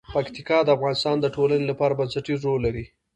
پکتیکا د افغانستان د ټولنې لپاره بنسټيز رول لري.